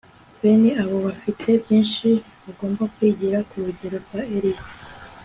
Bene abo bafite byinshi bagomba kwigira ku rugero rwa Eliya